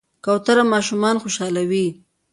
کوتره ماشومان خوشحالوي.